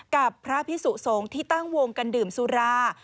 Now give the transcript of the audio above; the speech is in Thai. กับพระพิสุสงฆ์ที่ตั้งวงกันดื่มสุรา